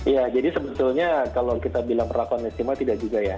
ya jadi sebetulnya kalau kita bilang perlakuan istimewa tidak juga ya